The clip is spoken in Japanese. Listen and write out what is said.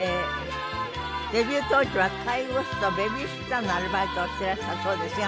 デビュー当時は介護士とベビーシッターのアルバイトをしていらしたそうですが。